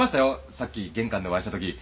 さっき玄関でお会いしたとき。